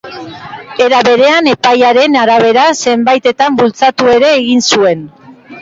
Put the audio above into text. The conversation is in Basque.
Era berean, epaiaren arabera, zenbaitetan bultzatu ere egin zuen.